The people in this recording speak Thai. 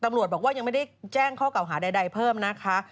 ตำรวจบอกว่ายังไม่ได้แจ้งข้อเก่าหาใดเพิ่มนะคะ